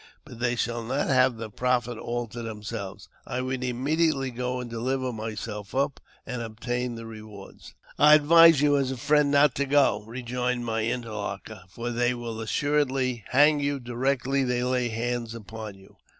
"But they shall not have the profit all to themselves ; I will immediately go and deliver myself up, and obtain the rewards." " I advise you, as a friend, not to go," rejoined my inter locutor, " for they will assuredly hang you directly they lay hands upon you."